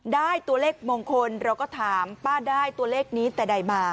ได้ตัวเลขมงคลเราก็ถามป้าได้ตัวเลขนี้แต่ใดมา